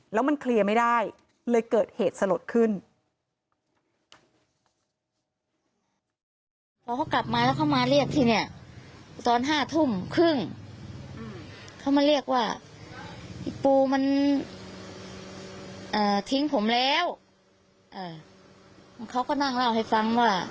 แล้วมันเคลียร์ไม่ได้เลยเกิดเหตุสลดขึ้น